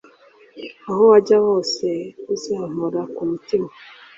aho wajya hose uzampora ku mutima,